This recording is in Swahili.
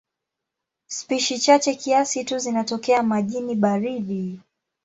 Spishi chache kiasi tu zinatokea majini baridi.